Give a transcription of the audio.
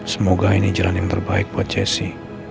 semoga ini jalan terbaik buat jessy